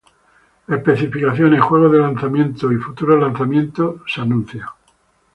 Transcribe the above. Especificaciones, juegos de lanzamiento y futuros lanzamientos son anunciados.